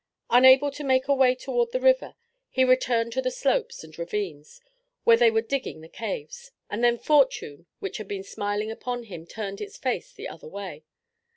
Unable to make a way toward the river, he returned to the slopes and ravines, where they were digging the caves, and then fortune which had been smiling upon him turned its face the other way.